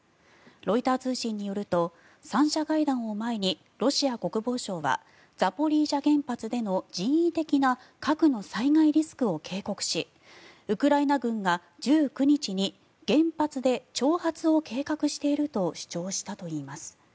ロイター通信によると３者会談を前にロシア国防省はザポリージャ原発での人為的な核の災害リスクを警告しウクライナ軍が１９日に原発で挑発を計画していると主張したといいます。